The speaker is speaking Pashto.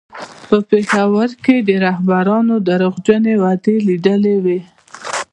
په پېښور کې یې د رهبرانو درواغجنې وعدې لیدلې وې.